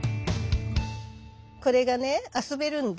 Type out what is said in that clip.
これがね遊べるんだ。